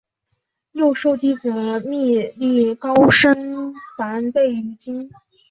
又授弟子觅历高声梵呗于今。